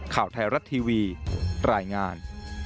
ข่าวไทยรัฐทีวีรายงาน